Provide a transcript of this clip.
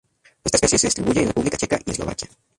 Esta especie se distribuye en República Checa y Eslovaquia.